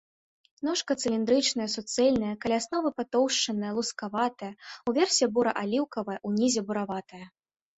Ножка цыліндрычная, суцэльная, каля асновы патоўшчаная, лускаватая, уверсе бура-аліўкавая, унізе бураватая.